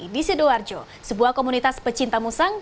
di sidoarjo sebuah komunitas pecinta musang